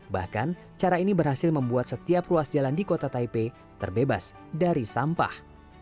bahkan cara ini berhasil membuat setiap ruas jalan di kota taipei terbebas dari sampah